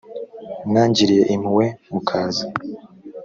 mwangiriye impuhwe mukaza